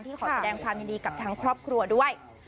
ขอแสดงความยินดีกับทั้งครอบครัวด้วย